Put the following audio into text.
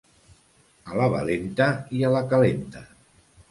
A la valenta i a la calenta.